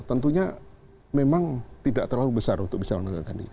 tentunya memang tidak terlalu besar untuk bisa menegakkan